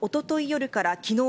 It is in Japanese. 夜からきのう